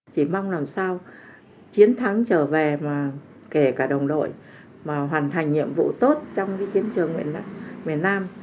chỉ mong làm sao chiến thắng trở về mà kể cả đồng đội mà hoàn thành nhiệm vụ tốt trong cái chiến trường miền bắc miền nam